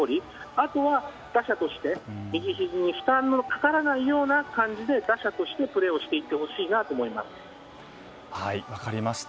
あとは打者として右ひじに負担のかからないような感じで打者としてプレーをしていってほしいなと分かりました。